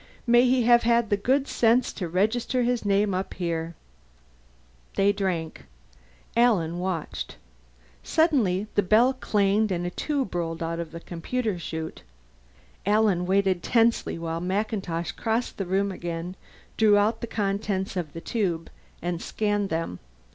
"May he have had the good sense to register his name up here!" They drank. Alan watched. Suddenly, the bell clanged and a tube rolled out of the computer shoot. Alan waited tensely while MacIntosh crossed the room again, drew out the contents of the tube, and scanned them.